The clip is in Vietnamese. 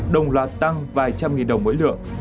đồng loạt tăng vài trăm nghìn đồng mỗi lượng